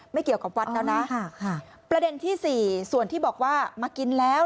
ไม่เกี่ยวกับวัดแล้วนะค่ะประเด็นที่สี่ส่วนที่บอกว่ามากินแล้ว